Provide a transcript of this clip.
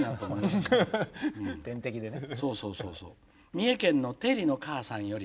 三重県のてりのかあさんより。